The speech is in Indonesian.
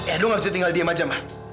edo gak bisa tinggal diem aja ma